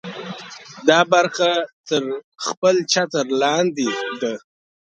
دا برخه تر خپل چتر لاندې ده.